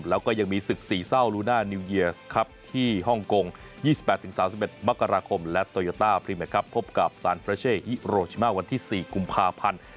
แล้วก็ยังมีศึก๔เศร้าลูน่านิวเยียสครับที่ฮ่องกง๒๘๓๑มกราคมและโตโยต้าพรีเมคครับพบกับซานเฟรเช่ฮิโรชิมาวันที่๔กุมภาพันธ์